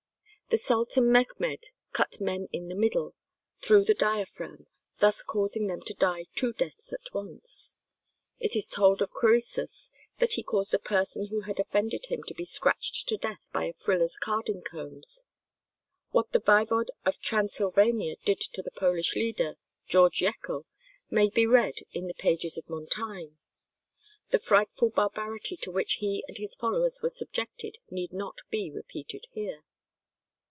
The Sultan Mechmed cut men in the middle, through the diaphragm, thus causing them to die two deaths at once. It is told of Crœsus that he caused a person who had offended him to be scratched to death by a friller's carding combs. What the Vaivod of Transylvania did to the Polish leader, George Jechel, may be read in the pages of Montaigne. The frightful barbarity to which he and his followers were subjected need not be repeated here.